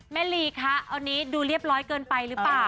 ลีคะอันนี้ดูเรียบร้อยเกินไปหรือเปล่า